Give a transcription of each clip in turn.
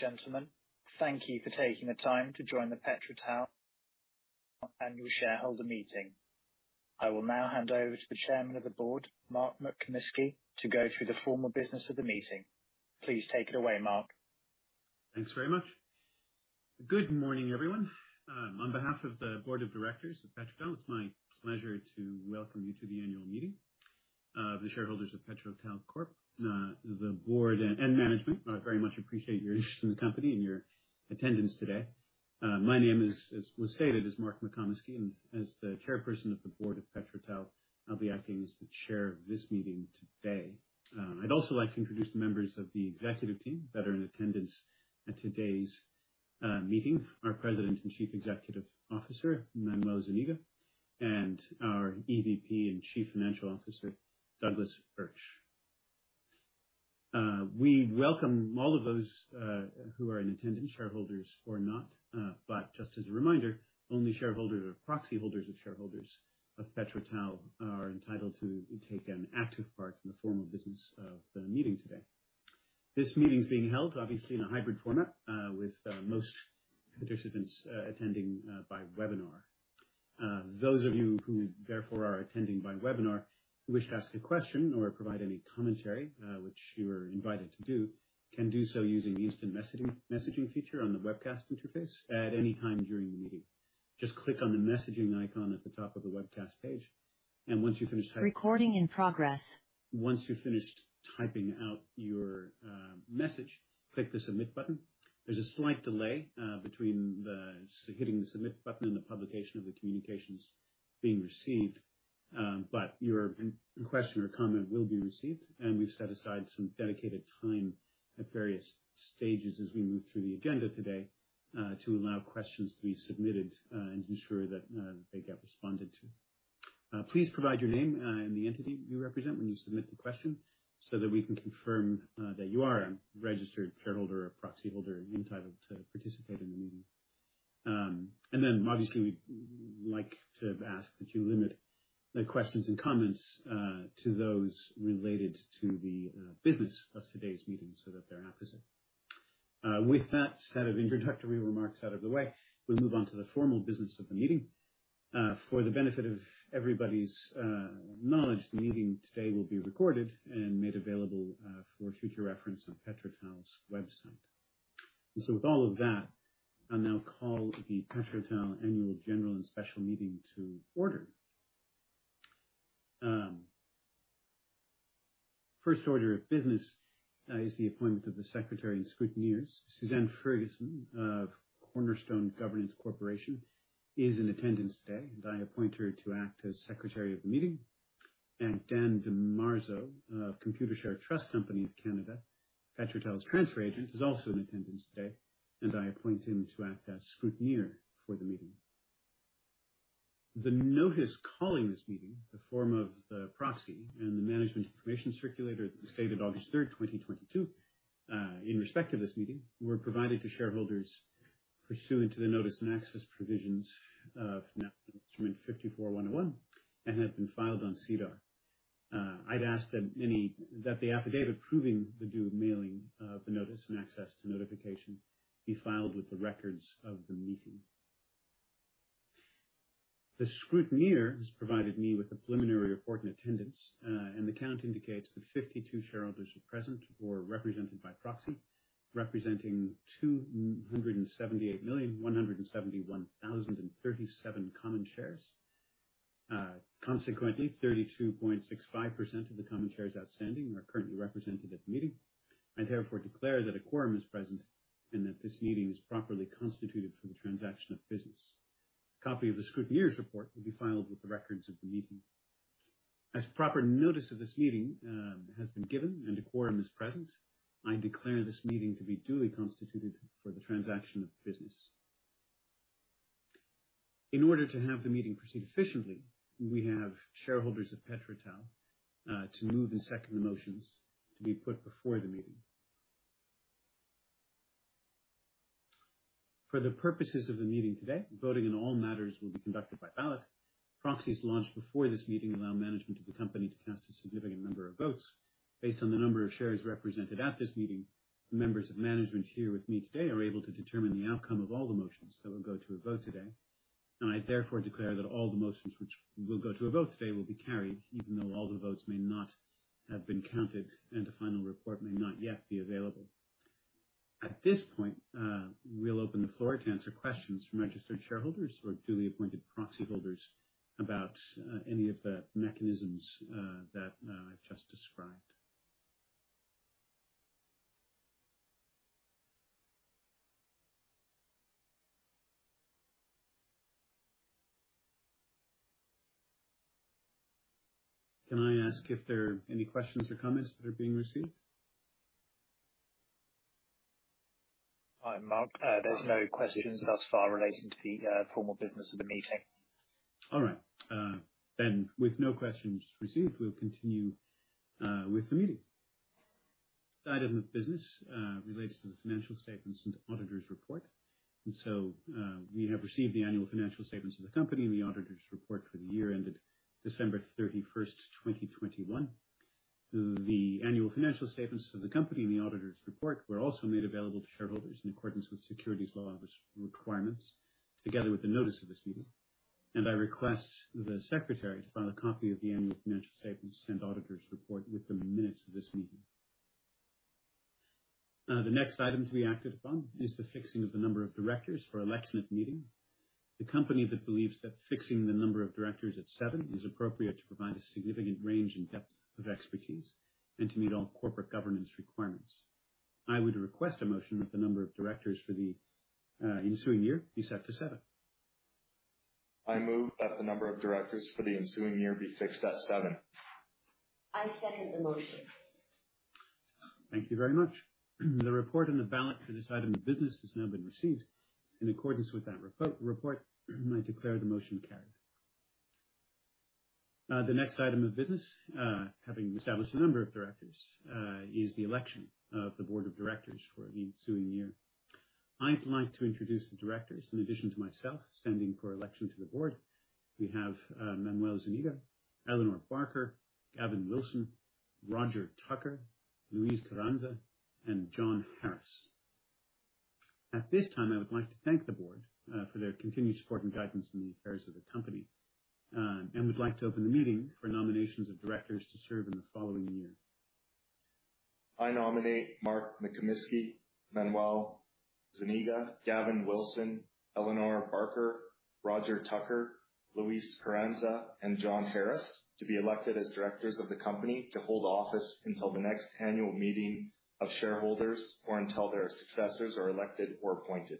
Ladies and gentlemen, thank you for taking the time to join the PetroTal Annual Shareholder Meeting. I will now hand over to the Chairman of the Board, Mark McComiskey, to go through the formal business of the meeting. Please take it away, Mark. Thanks very much. Good morning, everyone. On behalf of the Board of Directors of PetroTal, it's my pleasure to welcome you to the annual meeting of the shareholders of PetroTal Corp. The board and management very much appreciate your interest in the company and your attendance today. My name is, as was stated, Mark McComiskey, and as the Chairperson of the Board of PetroTal, I'll be acting as the chair of this meeting today. I'd also like to introduce the members of the executive team that are in attendance at today's meeting. Our President and Chief Executive Officer, Manolo Zúñiga, and our EVP and Chief Financial Officer, Douglas Urch. We welcome all of those who are in attendance, shareholders or not. Just as a reminder, only shareholders or proxy holders of shareholders of PetroTal are entitled to take an active part in the formal business of the meeting today. This meeting's being held obviously in a hybrid format, with most participants attending by webinar. Those of you who therefore are attending by webinar who wish to ask a question or provide any commentary, which you are invited to do, can do so using the instant messaging feature on the webcast interface at any time during the meeting. Just click on the messaging icon at the top of the webcast page, and once you're finished typing. Recording in progress. Once you're finished typing out your message, click the Submit button. There's a slight delay between hitting the submit button and the publication of the communications being received, but your question or comment will be received, and we've set aside some dedicated time at various stages as we move through the agenda today to allow questions to be submitted and ensure that they get responded to. Please provide your name and the entity you represent when you submit the question so that we can confirm that you are a registered shareholder or proxyholder entitled to participate in the meeting. Obviously we'd like to ask that you limit the questions and comments to those related to the business of today's meeting so that they're apposite. With that set of introductory remarks out of the way, we'll move on to the formal business of the meeting. For the benefit of everybody's knowledge, the meeting today will be recorded and made available for future reference on PetroTal's website. With all of that, I'll now call the PetroTal Annual General and Special Meeting to order. First order of business is the appointment of the secretary and scrutineers. Suzanne Ferguson of Cornerstone Governance Corporation is in attendance today, and I appoint her to act as Secretary of the meeting. Dan DiMarzo of Computershare Trust Company of Canada, PetroTal's transfer agent, is also in attendance today, and I appoint him to act as scrutineer for the meeting. The notice calling this meeting, the form of the proxy and the management information circular that was dated August third, 2022, in respect of this meeting, were provided to shareholders pursuant to the notice and access provisions of National Instrument 54-101 and have been filed on SEDAR. I'd ask that the affidavit proving the due mailing of the notice-and-access notification be filed with the records of the meeting. The scrutineer has provided me with a preliminary report on attendance, and the count indicates that 52 shareholders are present or represented by proxy, representing 278,171,037 common shares. Consequently, 32.65% of the common shares outstanding are currently represented at the meeting. I therefore declare that a quorum is present and that this meeting is properly constituted for the transaction of business. A copy of the scrutineer's report will be filed with the records of the meeting. As proper notice of this meeting has been given and a quorum is present, I declare this meeting to be duly constituted for the transaction of business. In order to have the meeting proceed efficiently, we have shareholders of PetroTal to move and second the motions to be put before the meeting. For the purposes of the meeting today, voting on all matters will be conducted by ballot. Proxies lodged before this meeting allow management of the company to cast a significant number of votes. Based on the number of shares represented at this meeting, the members of management here with me today are able to determine the outcome of all the motions that will go to a vote today. I therefore declare that all the motions which will go to a vote today will be carried, even though all the votes may not have been counted and a final report may not yet be available. At this point, we'll open the floor to answer questions from registered shareholders or duly appointed proxy holders about any of the mechanisms that I've just described. Can I ask if there are any questions or comments that are being received? Hi, Mark. Hi. There's no questions thus far relating to the formal business of the meeting. All right. With no questions received, we'll continue with the meeting. The item of business relates to the financial statements and auditor's report. We have received the annual financial statements of the company and the auditor's report for the year ended December 31, 2021. The annual financial statements of the company and the auditor's report were also made available to shareholders in accordance with securities laws and other requirements, together with the notice of this meeting. I request the Secretary to file a copy of the annual financial statements and auditor's report with the minutes of this meeting. The next item to be acted upon is the fixing of the number of directors for election at the meeting. The company that believes that fixing the number of directors at seven is appropriate to provide a significant range and depth of expertise and to meet all corporate governance requirements. I would request a motion that the number of directors for the ensuing year be set to seven. I move that the number of directors for the ensuing year be fixed at seven. I second the motion. Thank you very much. The report on the ballot for this item of business has now been received. In accordance with that report, I declare the motion carried. The next item of business, having established the number of directors, is the election of the board of directors for the ensuing year. I'd like to introduce the directors. In addition to myself, standing for election to the board, we have Manolo Zúñiga, Eleanor Barker, Gavin Wilson, Roger Tucker, Luis Carranza, and Jon Harris. At this time, I would like to thank the board for their continued support and guidance in the affairs of the company, and would like to open the meeting for nominations of directors to serve in the following year. I nominate Mark McComiskey, Manolo Zúñiga, Gavin Wilson, Eleanor Barker, Roger Tucker, Luis Carranza, and Jon Harris to be elected as directors of the company to hold office until the next annual meeting of shareholders, or until their successors are elected or appointed.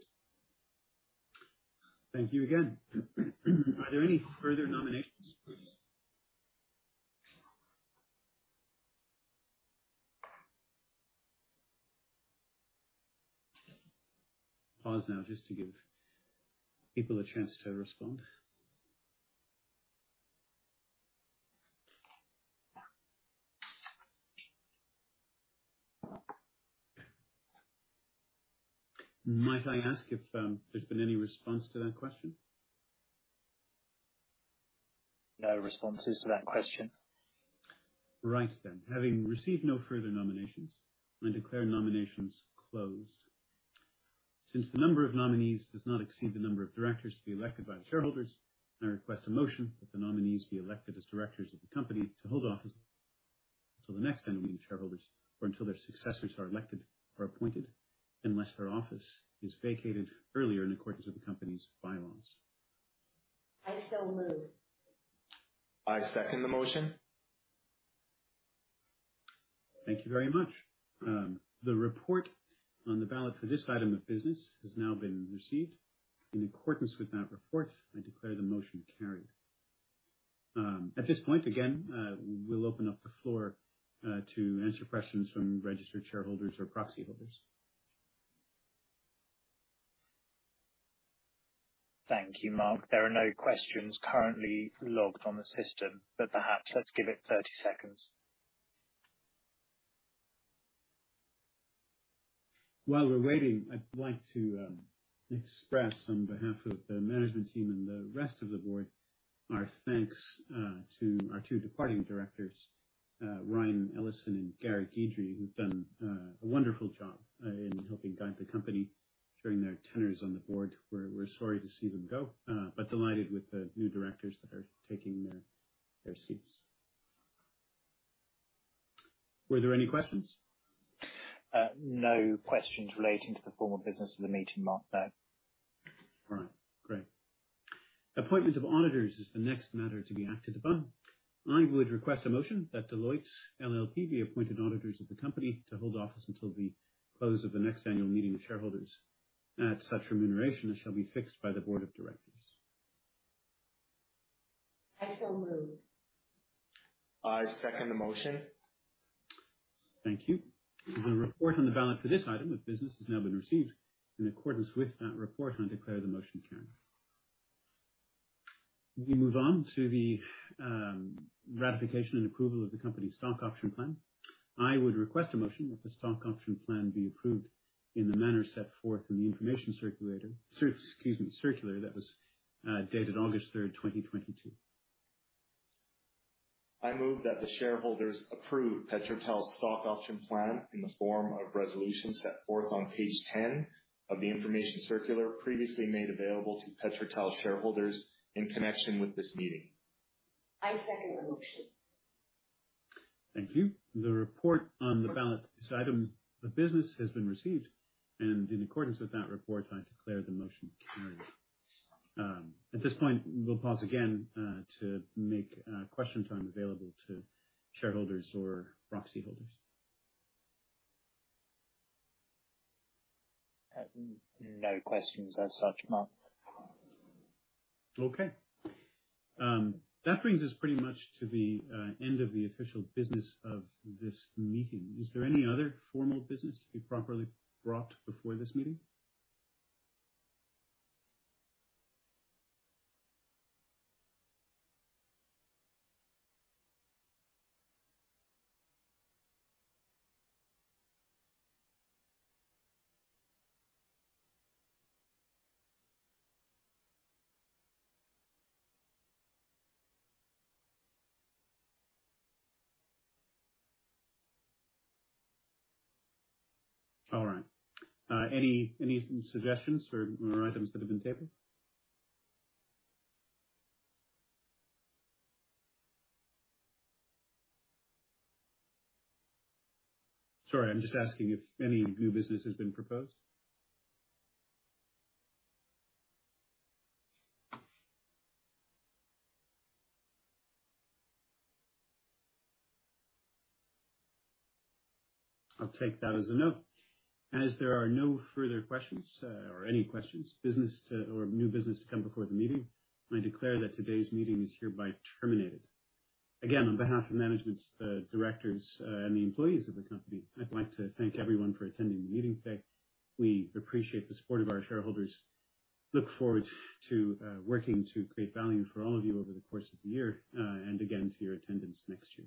Thank you again. Are there any further nominations, please? Pause now just to give people a chance to respond. Might I ask if there's been any response to that question? No responses to that question. Having received no further nominations, I declare nominations closed. Since the number of nominees does not exceed the number of directors to be elected by the shareholders, I request a motion that the nominees be elected as directors of the company to hold office until the next annual meeting of shareholders, or until their successors are elected or appointed, unless their office is vacated earlier in accordance with the company's bylaws. I so move. I second the motion. Thank you very much. The report on the ballot for this item of business has now been received. In accordance with that report, I declare the motion carried. At this point, again, we'll open up the floor to answer questions from registered shareholders or proxy holders. Thank you, Mark. There are no questions currently logged on the system, but perhaps let's give it 30 seconds. While we're waiting, I'd like to express on behalf of the management team and the rest of the board our thanks to our two departing directors, Ryan Ellson and Gary Guidry, who've done a wonderful job in helping guide the company during their tenures on the board. We're sorry to see them go, but delighted with the new directors that are taking their seats. Were there any questions? No questions relating to the formal business of the meeting, Mark, no. All right. Great. Appointment of auditors is the next matter to be acted upon. I would request a motion that Deloitte LLP be appointed auditors of the company to hold office until the close of the next annual meeting of shareholders at such remuneration as shall be fixed by the board of directors. I so move. I second the motion. Thank you. The report on the ballot for this item of business has now been received. In accordance with that report, I declare the motion carried. We move on to the ratification and approval of the company's stock option plan. I would request a motion that the stock option plan be approved in the manner set forth in the information circular that was dated August third, 2022. I move that the shareholders approve PetroTal's stock option plan in the form of resolution set forth on page 10 of the information circular previously made available to PetroTal shareholders in connection with this meeting. I second the motion. Thank you. The report on the ballot for this item of business has been received, and in accordance with that report, I declare the motion carried. At this point, we'll pause again, to make question time available to shareholders or proxy holders. No questions as such, Mark. Okay. That brings us pretty much to the end of the official business of this meeting. Is there any other formal business to be properly brought before this meeting? All right. Any suggestions or more items that have been tabled? Sorry, I'm just asking if any new business has been proposed. I'll take that as a no. As there are no further questions or any new business to come before the meeting, I declare that today's meeting is hereby terminated. Again, on behalf of management, directors, and the employees of the company, I'd like to thank everyone for attending the meeting today. We appreciate the support of our shareholders. Look forward to working to create value for all of you over the course of the year, and again, to your attendance next year.